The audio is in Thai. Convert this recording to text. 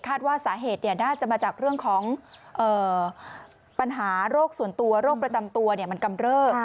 ว่าสาเหตุน่าจะมาจากเรื่องของปัญหาโรคส่วนตัวโรคประจำตัวมันกำเริบ